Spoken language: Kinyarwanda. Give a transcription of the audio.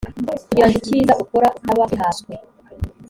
kugira ngo icyiza ukora utaba ugihaswe